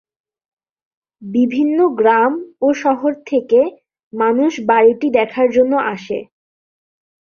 বিভিন্ন গ্রাম ও শহর থেকে মানুষ বাড়িটি দেখার জন্য আসে।